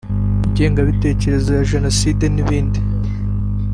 ingengabitekerezo ya Jenoside n’ibindi